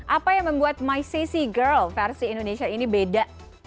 apa yang membuat my sassi girl versi indonesia ini beda